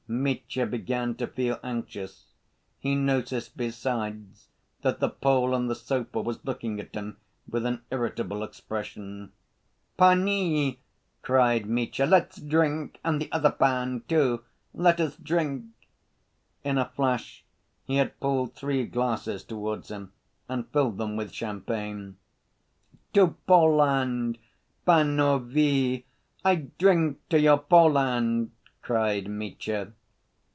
Mitya began to feel anxious. He noticed besides, that the Pole on the sofa was looking at him with an irritable expression. "Panie!" cried Mitya, "let's drink! and the other pan, too! Let us drink." In a flash he had pulled three glasses towards him, and filled them with champagne. "To Poland, panovie, I drink to your Poland!" cried Mitya.